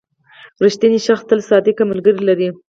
• رښتینی شخص تل صادق ملګري لري.